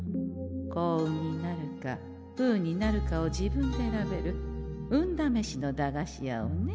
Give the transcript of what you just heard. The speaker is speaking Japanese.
幸運になるか不運になるかを自分で選べる運だめしの駄菓子屋をね。